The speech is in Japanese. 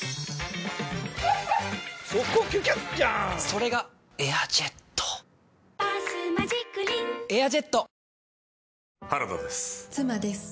それが「エアジェット」「バスマジックリン」「エアジェット」！